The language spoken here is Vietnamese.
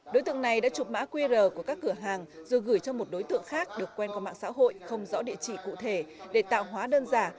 đối tượng này đã chụp mã qr của các cửa hàng rồi gửi cho một đối tượng khác được quen có mạng xã hội không rõ địa chỉ cụ thể để tạo hóa đơn giả